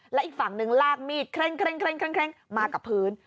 และอีกฝั่งนึงลากมีดเคร่งมากับพื้น